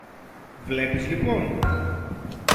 Βλέπεις λοιπόν;